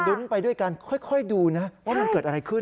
ไปด้วยกันค่อยดูนะว่ามันเกิดอะไรขึ้น